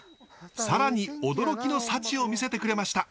更に驚きの幸を見せてくれました。